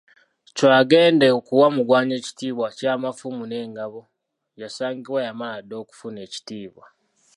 Chwa yagenda okuwa Mugwanya ekitiibwa ky'Amafumu n'Engabo, yasangibwa yamala dda okufuna ekitiibwa.